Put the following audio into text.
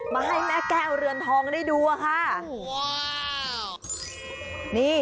มาให้แม่แก้วเรือนทองได้ดูอะค่ะ